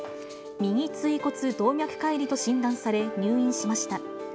右椎骨動脈かい離と診断され、入院しました。